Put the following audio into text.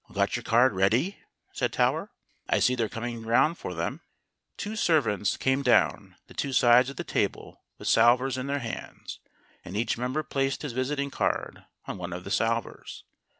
"Got your card ready ?" said Tower. "I see they're coming round for them." Two servants came down the two sides of the table with salvers in their hands, and each member placed his visiting card on one of the salvers.